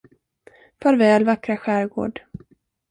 Farväl, vackra skärgård!